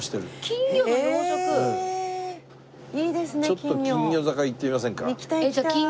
ちょっと金魚坂行ってみませんか？